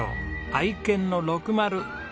愛犬のろくまる。